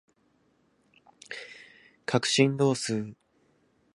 角振動数